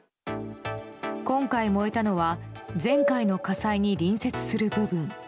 今回、燃えたのは前回の火災に隣接する部分。